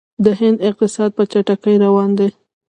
د هند اقتصاد په چټکۍ روان دی.